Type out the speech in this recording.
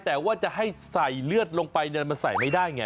แต่ว่าจะให้ใส่เลือดลงไปมันใส่ไม่ได้ไง